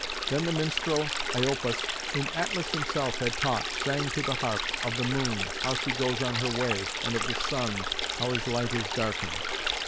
Then the minstrel Iopas, whom Atlas himself had taught, sang to the harp, of the moon, how she goes on her way, and of the sun, how his light is darkened.